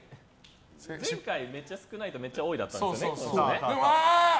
前回めっちゃ少ないかめっちゃ多いだったんですよね。